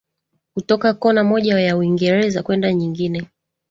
kutoka kona moja ya Uingereza kwenda nyingine